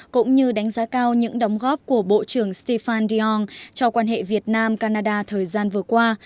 cũng như đánh giá cao những đóng góp của bộ trưởng stefan diong cho quan hệ việt nam canada thời gian vừa qua